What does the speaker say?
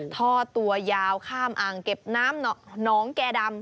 ท่อตัวยาวข้ามอ่างเก็บน้ำหนองแก่ดำ